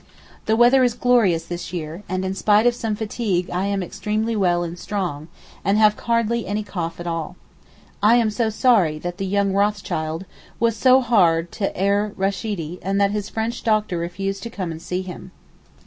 The weather is glorious this year, and in spite of some fatigue I am extremely well and strong, and have hardly any cough at all. I am so sorry that the young Rothschild was so hard to Er Rasheedee and that his French doctor refused to come and see him.